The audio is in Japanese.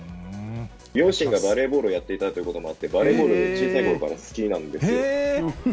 両親がバレーボールをやっていたということもあって、バレーボールが小さいころから好きなんですよ。